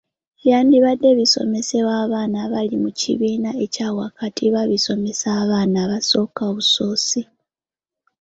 Ebyandibadde bisomesebwa abaana abali mu kibiina ekya wakati babisomesa abaana abasooka obusoosi.